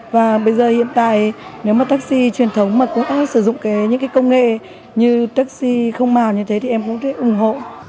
và bây giờ hiện tại nếu mà taxi truyền thống mà cũng sử dụng những cái công nghệ như taxi không màu như thế thì em cũng thấy ủng hộ